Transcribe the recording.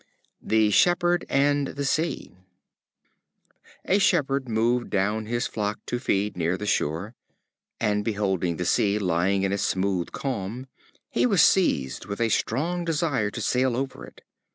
The Shepherd and the Sea. A Shepherd moved down his flock to feed near the shore, and beholding the Sea lying in a smooth calm, he was seized with a strong desire to sail over it.